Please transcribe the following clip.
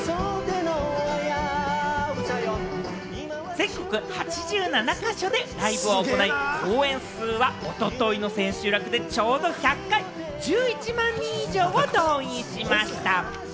全国８７か所でライブを行い、公演数はおとといの千秋楽でちょうど１００回、１１万人以上を動員しました。